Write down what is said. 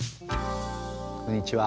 こんにちは。